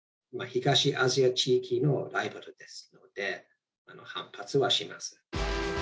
東アジア地域のライバルですので反発はします。